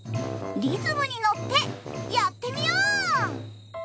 リズムにのってやってみよう！